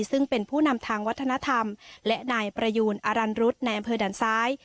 ซึ่งเป็นผู้นำทางวัฒนธรรมและนายประยูนอรันรุษในอำเภอด่านซ้าย